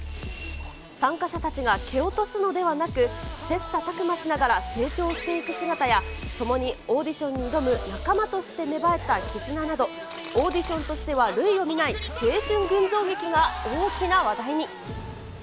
参加者たちが蹴落とすのではなく、切磋琢磨しながら成長していく姿や、ともにオーディションに挑む仲間として芽生えた絆など、オーディションとしては類を見ない、青春群像劇が大きな話題に。